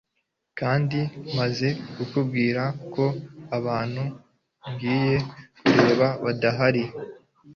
kandi maze kukubwira ko abantu ngiye kureba badahari